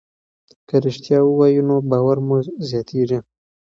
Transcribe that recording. که رښتیا ووایو نو باور مو زیاتېږي.